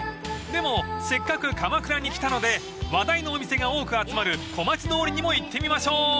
［でもせっかく鎌倉に来たので話題のお店が多く集まる小町通りにも行ってみましょう］